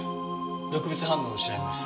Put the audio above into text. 毒物反応を調べます。